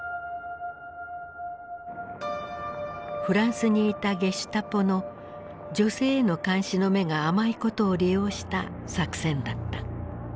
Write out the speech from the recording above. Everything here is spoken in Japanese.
フランスにいたゲシュタポの女性への監視の目が甘いことを利用した作戦だった。